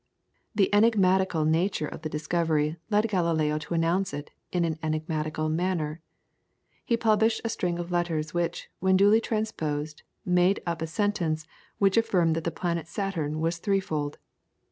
The enigmatical nature of the discovery led Galileo to announce it in an enigmatical manner. He published a string of letters which, when duly transposed, made up a sentence which affirmed that the planet Saturn was threefold.